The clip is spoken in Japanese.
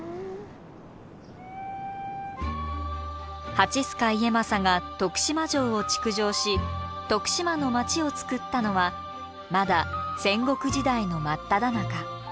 蜂須賀家政が徳島城を築城し徳島の町をつくったのはまだ戦国時代の真っただ中。